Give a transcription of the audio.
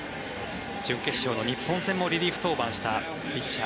準決勝の日本戦もリリーフ登板したピッチャー。